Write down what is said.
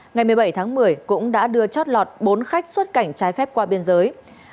ngày một mươi bảy tháng một mươi cũng đã đưa chót lọt bốn khách xuất cảnh trái phép qua biên giới